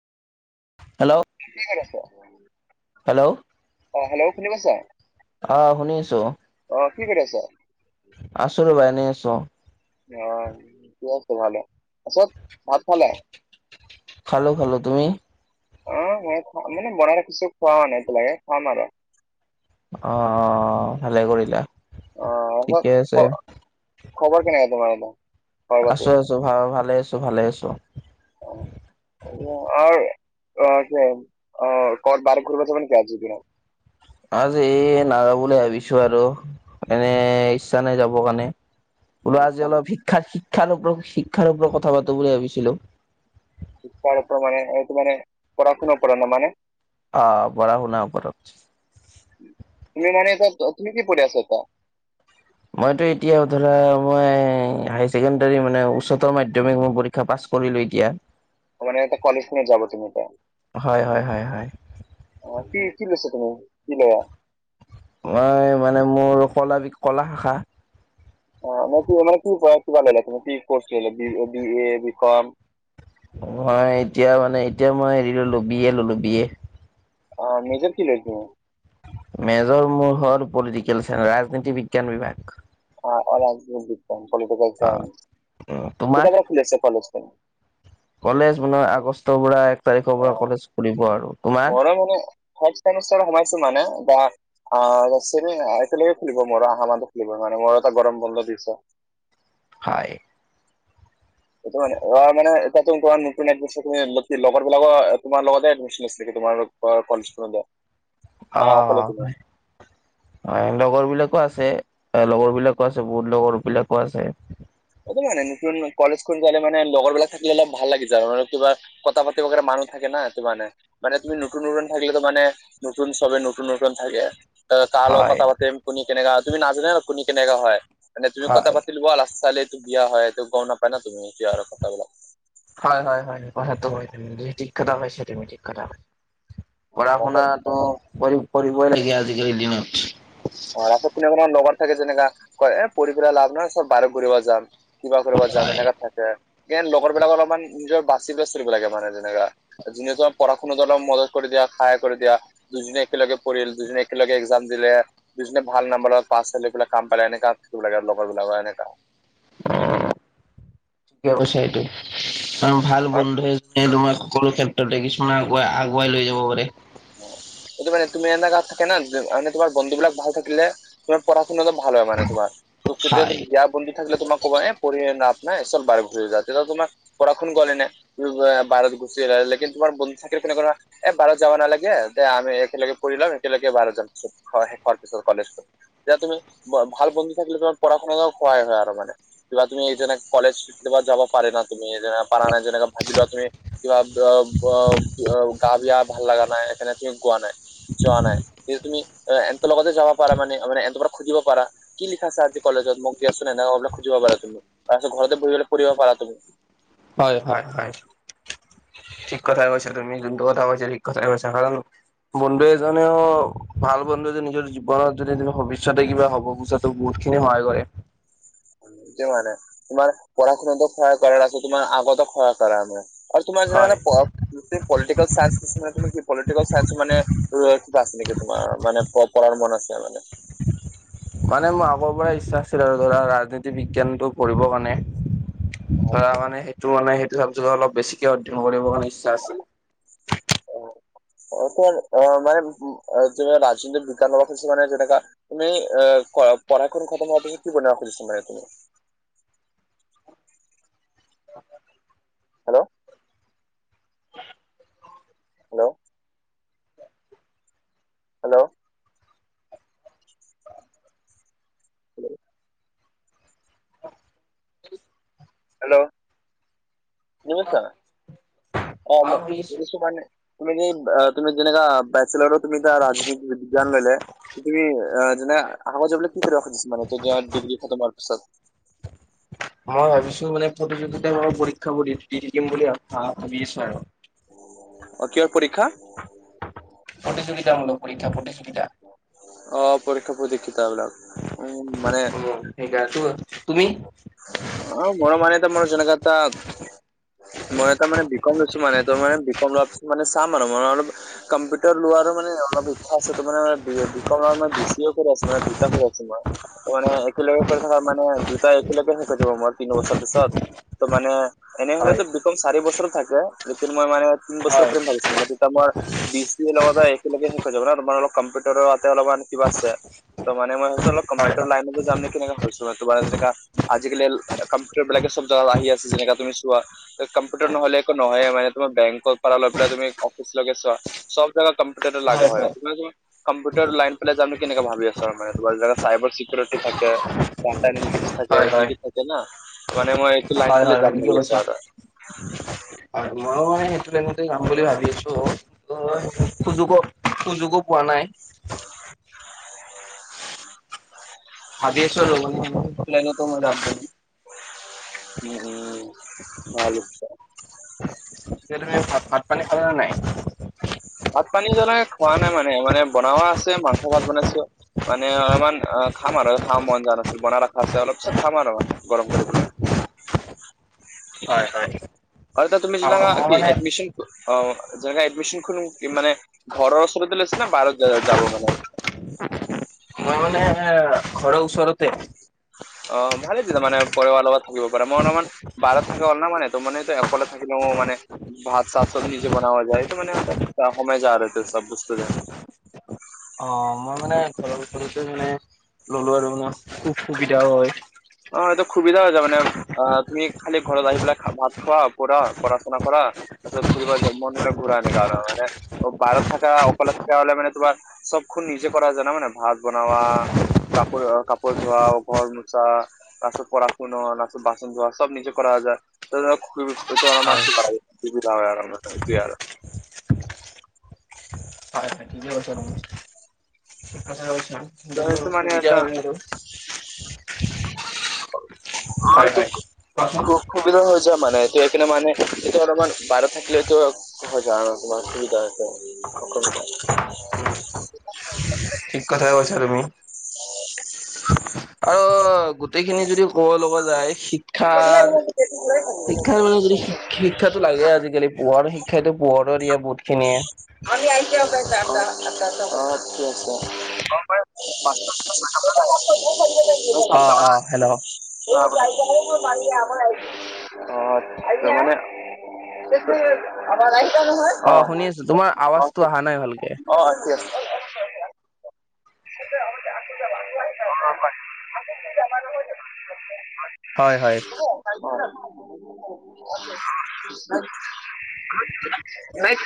Hello তহঁতি ক'ত আছ, হেল্ল' অ হেল্ল' শুনি পাইছ অ শুনি আছোঁ অ কি কৰি আছ? আছো ৰবা এনেই আছো অ ঠিক আছে ভালে তাৰপিছত ভাত খালে খালো খালো তুমি অ মই খোৱা মানে বনাই ৰাখিছো খোৱা নাই মানে খাম আৰু অ অ ভালে কৰিলা অ ঠিকে আছে খবৰ কেনেকুৱা তোমাৰ এতিয়া, খবৰ আছো বাতি আছো ভাল ভালে আছো ভালে আছো অ আৰু অ কি অ কত বাৰীত ঘূৰিব যাবি নেকি আজিৰ দিনত আজি এই নাযাব বুলি ভাবিছো আৰু এনে ইচ্ছা নাই যাবৰ কাৰণে অ, ওলোৱা আজি জানো। অলপ শিক্ষা শিক্ষাৰ ওপৰত শিক্ষাৰ ওপৰত কথা পাতো বুলি ভাবিছিলো শিক্ষাৰ ওপৰত মানে এটো মানে পঢ়া শুনা ওপৰত ন মানে অ পঢ়া শুনাৰ ওপৰত তুমি মানে তুমি কি পঢ়ি আছা এতিয়া মইতো এতিয়া ধৰা মই হাই ছেকেণ্ডাৰী মানে উচ্চতৰ মাধ্যমিক পৰী ক্ষা পাছ কৰিলোঁ এতিয়া অ মানে এতিয়া কলেজ খিনি যাব তুমি এতিয়া হয় হয় হয় হয় অ কি কি লৈছে তুমি কি লোৱা মই মানে মোৰ কলা বি কলা শাখা অ মানে কি মানে কিবা ললা তুমি কি কৌচ লৈছা বি এ বি কম মই এতিয়া মানে এতিয়া মই হেৰি ললো বিএ ললো বিএ অ মেজৰ কি লৈছা মেজৰ মোৰ হ'ল পলিটিকেল চাইন্স ৰাজনীতি বিজ্ঞান বিভাগ অ অ ৰাজনীতি বিজ্ঞান পলিটিকেল অ চাইন্স উম তোমাৰ? কেতিয়াৰ পৰা খুলিছে কলেজখন কলেজ মানে আগষ্টৰ পৰা এক তাৰিখৰ পৰা কলেজ খুলিব আৰু তোমাৰ [unintelligible] ফাইভ চেমিষ্টাৰত সোমাইছো মানে বা অ এতিয়া চিনিয়া একেলগে খুলিব মোৰ আহা মাহত খুলিব মানে মাহত এটা গৰম বন্ধ দিছ হয় সেইটো মানে অ মানে এতিয়া তো তোমাৰ নতুন এডমিচন তুমি লগৰ বিলাকো তোমাৰ লগতে [unintelligible] চাগে তোমালোকৰ কলেজ খনতে অ হয় লগৰ বিলাকো আছে লগৰ বিলাকো আছে বহুত লগৰ বিলাকো আছে ইটো মানে নতুন কলেজ খন গলে মানে লগৰবিলাক থাকিলে ভাল লাগি যায় আৰু কিবা কথা পাতিব কাৰণে মানুহ থাকে না সেইটো মানে মানে তুমি নতুন নতুন থাকিলেতো মানে নতুন চবে নতুন নতুন থাকে কাৰ হয় কথা পাতিম কোনি কেনেকা হয় তুমি নাজানাই কোনে কেনেকা হয় মানে তুমি কথা হয়। পাতিলোৱা লাষ্টত চালেটো বিয়া হয়েটো গম নাপায় ন তুমি এতিয়া আৰু কথাবিলাক হয় হয় হয় কথাটো হয় তুমি দেই ঠিক কথা কৈছা তুমি ঠিক কথা কৈছা পঢ়া কথাবিলাক। শুনাত অ পঢ়ি পঢ়িবই লাগে আজিকালি দিনত অ লাষ্টত কোনো কোনো লগৰ থাকে যেনেকা কয় পঢ়ি কেনে লাভ নাই চৰ বাহিৰত ঘূৰিব যাম কিবা কৰিব যাম হয় এনেকা থাকে এ লগৰ বিলাকৰ অলপমান নিজৰ বাচি বাচি থাকিব লাগে মানে যেনেকা যিজন পঢ়া শুনাত অলপ মদত কৰি দিয়া সহায় কৰি দিয়া দুজনী একেলগে পঢ়িল দুজনী একেলগে এক্সাম দিলে দুজনে ভাল নাম্বাৰৰ পাচ কৰি পেলাই কাম পালে এনেকা থাকিব লাগে লগৰবিলাকৰ এনেকা ঠিকে কৈছা এইটো কাৰণ ভাল বন্ধুৱে যেনে তোমাৰ সকলো ক্ষে ত্ৰত দেখিছো মানে আগুৱাই আগুৱাই লৈ যাব পাৰে অ সেইটো মানে তুমি এনেকা থাকে না মানে তোমাৰ বন্ধু বিলাক ভাল থাকিলে তোমাৰ পঢ়া শুনাতো ভাল হয় মানে তোমাৰ তোকেতো এতিয়া হয়। বিয়াত পঢ়ি থাকিলে তোমাক ক'বা এই পঢ়িলে লাভ নাই চব বাৰে পুখুৰী তেতিয়া তোমাক বৰষুণ গলে এনে ভাৰত গুচি লেকিন তোমাৰ বন্ধু থাকিলে তেনে ধৰা এ ভাৰত যাব নালাগে দে আমি একেলগে পঢ়ি লম একেলগে ভাৰত যাম শেষ হোৱাৰ পিছত কলেজত যেতিয়া তুমি ভাল বন্ধু থাকিলে তোমাৰ পঢ়া শুনাতো সহায় হয় আৰু মানে কিবা তুমি এইজনেক কলেজ ছুটি লবা যাবা পাৰা নাই তুমি এইজনে পাৰা নাই যেনেকা ভাবি লোৱা তুমি কিবা গ গ গ গা বেয়া ভাল লগা নাই সেইকাৰনে তুমি কোৱা নাই যোৱা নাই যিটো তুমি এন্তৰ লগতে যাব পাৰা মানে মানে এন্তৰ পৰা খুজিব পাৰা কি লিখাইছে আজি কলেজত মোক দিয়াচোন এনেকোৱাকে খুজিব পাৰা তুমি তাৰপিছত ঘৰতে বহি পেলাই পঢ়িব পাৰা তুমি হয় হয় হয় ঠিক কথাই কৈছা তুমি যোনটো কথা কৈছা ঠিক কথাই কৈছা কাৰণ বন্ধু এজনেও ভাল বন্ধু এজন নিজৰ জীৱনত যদি তুমি ভৱিষ্যতে কিবা হ'ব খুজা ত বহুতখিনি সহায় কৰে তেও হোৱা নাই তোমাৰ পঢ়া শুনাতো সহায় কৰা আছে তোমাৰ আগতো সহায় কৰা আছে আৰু তোমাৰ যেনেকা হয় মানে প পলিটিকেল চাইন্স নিচিনা তুমি কি পলিটিকেল চাইন্স মানে ত কিবা আছে নেকি তোমাৰ মানে পঢ়াৰ মন আছে মানে মানে মোৰ আগৰ পৰাই ইচ্ছা আছিল আৰু ধৰা ৰাজনীতি বিজ্ঞানটো পঢ়িবৰ কাৰণে ধৰা মানে সেইটো মানে সেইটো চাবজেক্টত অলপ বেছিকে অধ্যয়ন কৰিব কাৰণে ইচ্ছা আছিল। অ অ তোমাৰ অ মানে ৰাজনীতিৰ বিজ্ঞানৰ সূচি মানে যেনেকা তুমি এ কৰা পঢ়াখন খতম হোৱাৰ পিছত কি বনাব খুজিছা মানে তুমি হেল্ল' হেল্ল' হেল্ল' হেল্ল নিমিত্ত অ কোৱা মই সুধি চাবানে তমি যে এই তুমি যেনেকা বেচেলাৰো তুমি এতিয়া ৰাজনীতি বিজ্ঞান ললে তুমি আহ যেনে আগত যাবলে কি কৰিব খুজিছা মানে ডিগ্ৰী আ ডিগ্ৰী খতম হোৱাৰ পিছত মই ভাবিছো মানে প্ৰতিযোগিতামূলক পৰীক্ষা সমূহ দি দি থাকিম বুলি ভা ভাবি আছো আৰু অ কিহৰ পৰীক্ষা প্ৰতিযোগিতামূলক পৰীক্ষা প্ৰতিযোগিতা অ পৰীক্ষা প্ৰতিযোগিতা বিলাক উম মানে অ ফিগাৰতো আছে তুমি অ মোৰ মানে এটা মোৰ যেনেকা এটা মই এটা মানে বিকম লৈছো মানে ত মানে বিকম লোৱাৰ পছত মানে চাম আৰু মানে অলপ কম্পিউটাৰ লোৱাৰো মানে অলপ ইচ্ছা আছে তোমাৰ মানে বিকম আৰু বিচিঅটোত আছো মানে দুটা কৰি আছো মই মানে একেলগে কৰি থকা মানে দুটা একেলগে শেষ কৰি থব মোৰ তিনি বছৰ পিছত ত মানে হয়, এনেহলেতো বিকম চাৰি বছৰো থাকে লেকিন মই মানে তিন বছৰৰ হয়, কৰিম বুলি ভাবিছো মানে তেতিয়া মই বি চি এৰ লগত একেলগে শিকাই যাব ন তোমাৰ অলপ কম্পিউটাৰতে অলপমান কিবা আছে ত মে মই ভাবিছোঁ হয়, হয়। কম্পিউাৰ হয়, লাইনতো যাম নে কেনে ভালছো মই তোৰ যে আজিকালি কম্পিউটাৰ বিলাকে চব জেগা ল আহি আছে যেনেকা তুমি চোৱা। কম্পিউটাৰ নহ'লে একো নহয়ে মানে তোমাৰ বেংকৰ পৰা লৈ পেলাই তুমি অফিচলৈকে চোৱা। চব জাগাত কম্পিউটাৰ লাগা হয়। কম্পিউটাৰ লাইন পেলাই যামি কেনেকে ভাবি আছো মানোৰাত চাইবাৰ চিকিউৰিটি থাকে। টা এ থাকে কি হয়। কি থাকে না মানে মই এইটো লাইন হয়, হয়, ফালে হয়, যাম বুলি ঠিকে ভাবি কৈছা। আছো আৰু হয় ময়ো মানে সেইটো এনেকৈ যাম বুলি ভাবি আছো অ, অ সুযোগো সুযোগো পোৱা নাই। [inaudible] [unintelligible] উম উম ভালহৈছে। এতিয়া ভাত ভাত পানী খাল নাই। ভাত পানী মানে খোৱা নাই মানে মানে বনোৱা আছে মাংস ভাত বনাইছো। মানে অমান অ খাম আৰু খা মন যোৱা নাছিল বনাই ৰখা আছে অলপ পিছত খাম আৰু মানে গৰম কৰিপেলাই। হয় হয়। আৰু তুমি অ', চানা মই কি মানে এডমিশ্যন। অ যেনে এডমিশ্যন খন মানে ঘৰৰ ওচৰতে লৈছে নে বাহিৰলৈ যাব মানে। মই মানে ঘৰৰ ওচৰতে। অ ভালেইছিল মানে পৱাৰ লগত থাকিব পাৰে মই অলমান, বাৰা থাকে অল ন মান ত মান একবালা থাকিলে মানে। ভাত চাত চব নিজে বনোৱা যায়টো মানে সময়ে যাব চব বস্তু তে, অ মই মানে, চৰতে মানে ললো আৰু মানে খুব সুবিধাও হয়। অ এইটো সুবিধা হৈ যায় মানে আৰু আহ তুমি খালি ঘৰত আহি পেলাই ভাত খোৱা পঢ়া শুনা কৰা। আত ঘূৰিব মন নে ঘূৰা নে কাৰণ মানে, বাহত থাককা অকাল থাককা হলে মান তোমাৰ চবখনণ নিজে কৰা য ন মানে ভাত বনোৱা। কাপোৰ কাপোৰ ধোৱা ঘৰ মোচা। [unintelligible] শুনোৱা বাচন ধোৱা সব নিজে কৰা যায়। মান হয়, সুবিধা হয় আমতিয় আৰু হয় হয়। [unintelligible] [unintelligible] তাটো মানে সুবিধা এটা, হয় আৰু হয় হয় [unintelligible] কোৱাচোন খুব সুবিধা হৈ যায় মানে এইটো এইকাৰণে মানে এইটো অলপমান বাহিৰত থাকিলেটো। হৈ যায় আৰু কিব অসুবিধা আছে অসুবিধা, ঠিক কথাই কৈছা তুমি। [unintelligible] আৰু গোটেইখিনি যদি ক'ব লগা যায় শিক্ষাৰ, শিক্ষাৰ মানে যদি শিক্ষাতো লাগে আজিকালি পোহৰ শিক্ষাই পোহৰৰ দিয়া বহুত খিনিয়ে। আমি আহক [unintelligible] আ আ অ অ হেল্ল' আ, [unintelligible] [unintelligible] [unintelligible] আমাৰ আহিছে নহয়। অ শুনি আছো, তোমাৰ অ- আৱাজটো অহা নাই ভালকে। অ [unintelligible] [unintelligible] হয় হয় [unintelligible] [unintelligible]